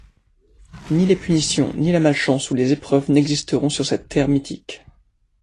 Ni les punitions, ni la malchance ou les épreuves n’existeront sur cette Terre mythique.